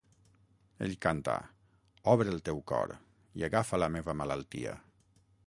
Ell canta, "Obre el teu cor, i agafa la meva malaltia".